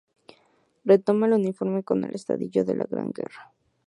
Retoma el uniforme con el estallido de la Gran Guerra.